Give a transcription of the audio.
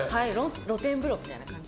露天風呂みたいな感じ。